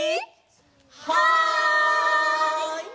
はい！